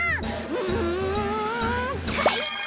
うんかいか！